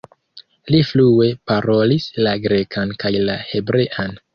Li flue parolis la grekan kaj la hebrean.